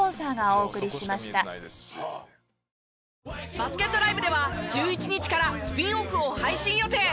バスケットＬＩＶＥでは１１日からスピンオフを配信予定！